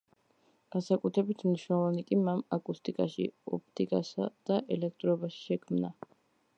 განსაკუთრებით მნიშვნელოვანი კი მან აკუსტიკაში, ოპტიკაში, და ელექტრობაში შექმნა.